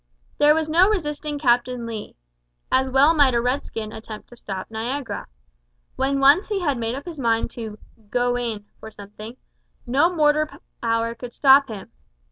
There was no resisting Captain Lee. As well might a red skin attempt to stop Niagara. When once he had made up his mind to "go in" for something, no mortal power could stop him.